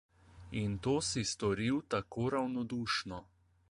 In to si storil tako ravnodušno.